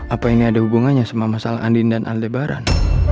apa ini ada hubungannya sama masalah andin dan aldebaran